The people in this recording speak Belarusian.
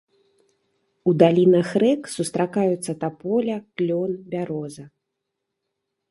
У далінах рэк сустракаюцца таполя, клён, бяроза.